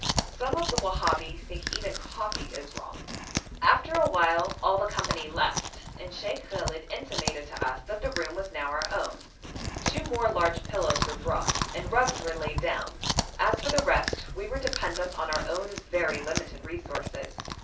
Some of the Wahabi think even coffee wrong. After a while all the company left, and Sheikh Khallet intimated to us that the room was now our own. Two more large pillows were brought, and rugs were laid down; as for the rest we were dependent on our own very limited resources.